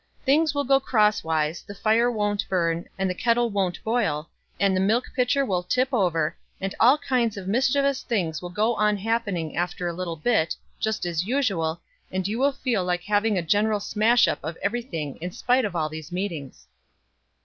"Things will go cross wise, the fire won't burn, and the kettle won't boil, and the milk pitcher will tip over, and all sorts of mischievous things will go on happening after a little bit, just as usual, and you will feel like having a general smash up of every thing in spite of all these meetings."